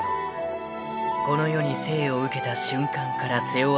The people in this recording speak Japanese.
［この世に生を受けた瞬間から背負わされる重責］